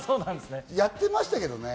やってましたけどね。